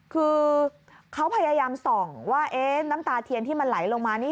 คือเขาพยายามส่องว่าน้ำตาเทียนที่มันไหลลงมานี่